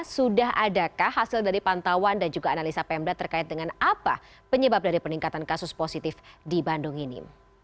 sudah adakah hasil dari pantauan dan juga analisa pemda terkait dengan apa penyebab dari peningkatan kasus positif di bandung ini